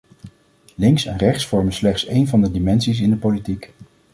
Links en rechts vormen slechts een van de dimensies in de politiek.